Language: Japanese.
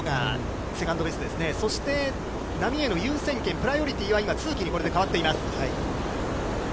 波への優先権、プライオリティーは都筑に変わっています。